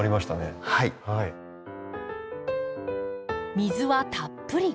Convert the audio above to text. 水はたっぷり。